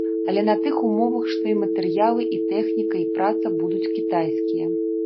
Але на тых умовах, што і матэрыялы, і тэхніка, і праца будуць кітайскія.